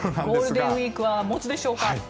ゴールデンウィークは持つでしょうか。